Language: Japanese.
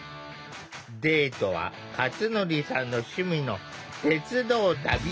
デートはかつのりさんの趣味の鉄道旅。